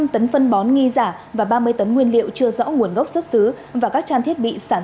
một trăm linh tấn phân bón nghi giả và ba mươi tấn nguyên liệu chưa rõ nguồn gốc xuất xứ và các trang thiết bị sản